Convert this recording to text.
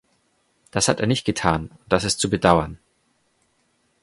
Das hat er nicht getan und das ist zu bedauern.